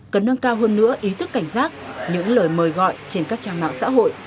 cần nâng cao hơn nữa ý thức cảnh giác những lời mời gọi trên các trang mạng xã hội